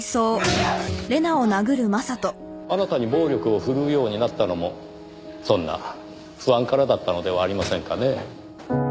あなたに暴力を振るうようになったのもそんな不安からだったのではありませんかね？